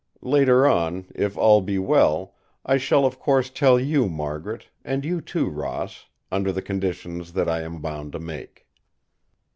Later on, if all be well, I shall of course tell you, Margaret, and you too, Ross, under the conditions that I am bound to make."